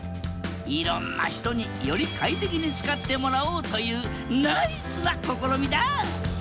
いろんな人により快適に使ってもらおうというナイスな試みだ！